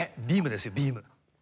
ビームですよビーム。